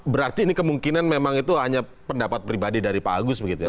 berarti ini kemungkinan memang itu hanya pendapat pribadi dari pak agus begitu ya